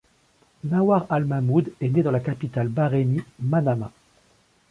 Nawar Al-Mahmoud est né dans la capitale bahreïnie, Manama.